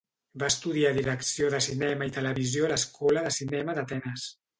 Va estudiar direcció de cinema i televisió a l'Escola de Cinema d'Atenes.